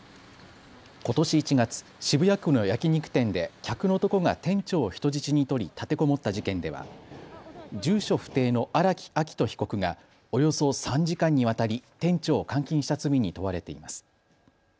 ことし１月、渋谷区の焼き肉店で客の男が店長を人質に取り立てこもった事件では住所不定の荒木秋冬被告がおよそ３時間にわたり店長を監禁した罪に問われています。